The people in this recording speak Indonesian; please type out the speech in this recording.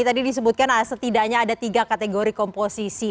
terus terdapat tiga kategori komposisi